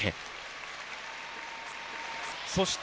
そして。